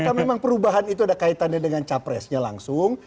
apakah memang perubahan itu ada kaitannya dengan capresnya langsung